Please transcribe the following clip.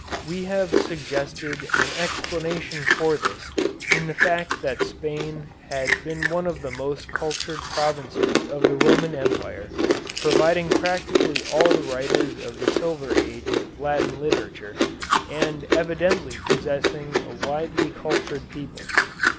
We have suggested an explanation for this in the fact that Spain had been one of the most cultured provinces of the Roman Empire, providing practically all the writers of the Silver Age of Latin literature, and evidently possessing a widely cultured people.